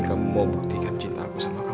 aku mau buktikan cinta aku sama kamu kan